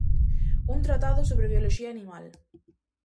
Un tratado sobre bioloxía animal.